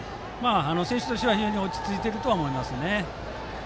選手としては落ち着いていると思います。